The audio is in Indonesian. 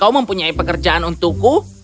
kau mempunyai pekerjaan untukku